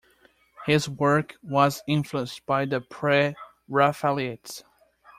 His work was influenced by the Pre-Raphaelites.